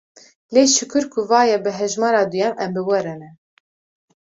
Lê şikur ku va ye bi hejmera duyem em bi we re ne.